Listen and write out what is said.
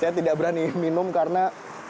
saya tidak berani minum karena